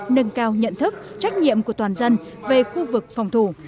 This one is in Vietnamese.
nâng cao nhận thức trách nhiệm của toàn dân về khu vực phòng thủ